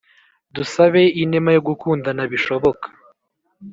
dusabe inema yo gukundana bishoboka